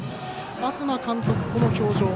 東監督はこの表情。